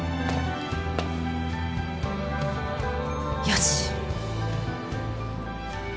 よし！